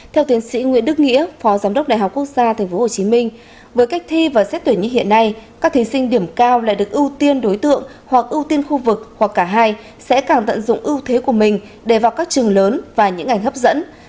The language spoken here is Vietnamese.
theo tiến sĩ nguyễn đức nghĩa phó giám đốc đại học quốc gia tp hcm với cách thi và xét tuyển như hiện nay các thí sinh điểm cao lại được ưu tiên đối tượng hoặc ưu tiên khu vực hoặc cả hai sẽ càng tận dụng ưu thế của mình để vào các trường lớn và những ngành hấp dẫn